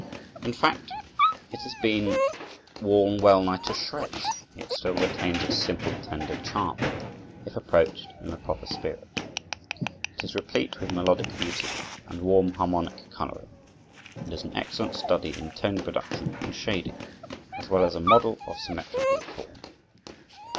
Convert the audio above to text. In fact, it has been worn well nigh to shreds; yet still retains its simple, tender charm, if approached in the proper spirit. It is replete with melodic beauty and warm harmonic coloring, and is an excellent study in tone production and shading, as well as a model of symmetrical form.